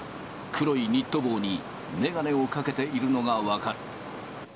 黒いニット帽に眼鏡をかけているのが分かる。